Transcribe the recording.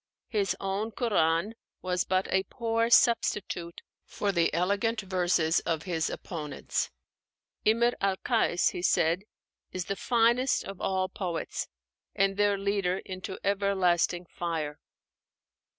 His own 'Qur'an' (Koran) was but a poor substitute for the elegant verses of his opponents. "Imr al Kais," he said, "is the finest of all poets, and their leader into everlasting fire."